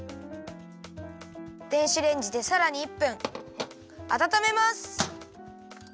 電子レンジでさらに１分あたためます。